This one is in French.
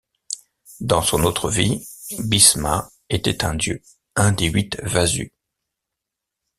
Dans son autre vie, Bhishma était un dieu, un des huit Vasu.